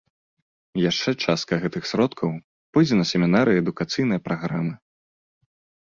Яшчэ частка гэтых сродкаў пойдзе на семінары і адукацыйныя праграмы.